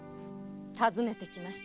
訪ねてきました。